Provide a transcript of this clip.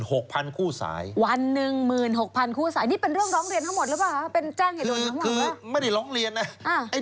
วันหนึ่ง๑๖๐๐๐คู่สายนี่เป็นเรื่องร้องเรียนเขาหมดหรือเปล่า